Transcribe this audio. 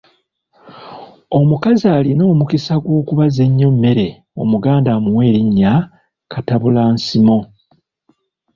Omukazi alina omukisa gw’okubaza ennyo emmere Omuganda amuwa linnya Katabulansimo.